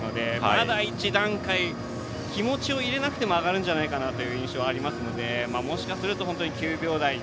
まだ一段階気持ちを入れなくてもあがるんじゃないかなという印象ありますのでもしかすると本当に９秒台。